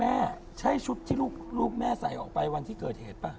แม่ใช่ชุดที่ลูกแม่ใส่ออกไปวันที่เกิดเหตุป่ะ